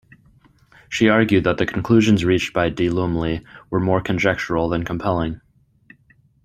She argued that the conclusions reached by De Lumley were more conjectural than compelling.